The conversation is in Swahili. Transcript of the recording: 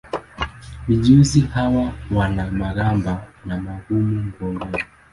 Mijusi hawa wana magamba magumu mgongoni.